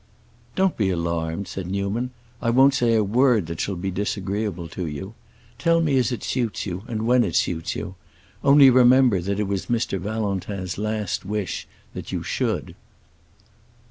"Don't be alarmed," said Newman. "I won't say a word that shall be disagreeable to you. Tell me as it suits you, and when it suits you. Only remember that it was Mr. Valentin's last wish that you should."